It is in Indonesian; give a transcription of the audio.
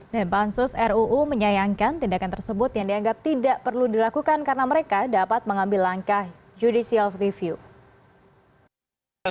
dan bansus ruu menyayangkan tindakan tersebut yang dianggap tidak perlu dilakukan karena mereka dapat mengambil langkah judicial review